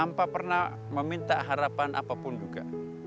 meminta harapan apapun juga